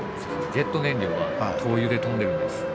ジェット燃料は灯油で飛んでるんです。